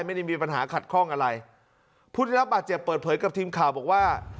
ไม่ได้มีปัญหาขัดข้องอะไรผู้ได้รับบาดเจ็บเปิดเผยกับทีมข่าวบอกว่า